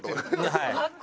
はい。